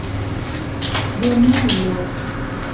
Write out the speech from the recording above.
bonulo